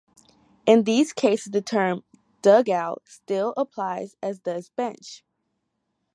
In these cases, the term "dugout" still applies, as does "bench.